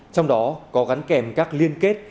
trong đó có gắn kèm các liên kết